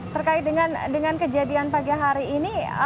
terkait dengan kejadian pagi hari ini